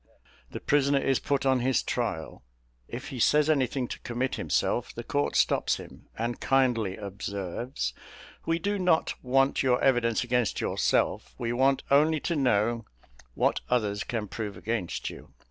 The prisoner is put on his trial; if he says anything to commit himself, the court stops him, and kindly observes, "We do not want your evidence against yourself; we want only to know what others can prove against you."